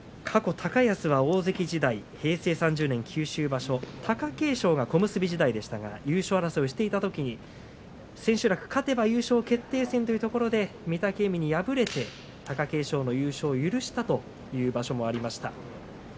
過去、高安は大関時代平成３０年九州場所貴景勝が小結時代でしたが優勝争いをしていたときに千秋楽、勝てば優勝決定戦というところで御嶽海に敗れて貴景勝の優勝を許したという場所もありました。